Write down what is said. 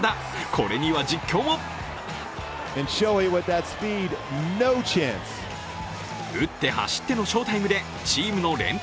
これには実況も打って走っての翔タイムでチームの連敗